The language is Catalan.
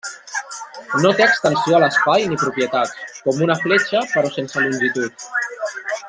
No té extensió a l'espai ni propietats, com una fletxa però sense longitud.